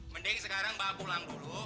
mending sekarang mbak pulang dulu